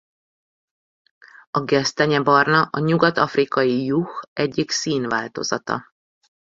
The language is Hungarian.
A gesztenyebarna a nyugat-afrikai juh egyik színváltozata.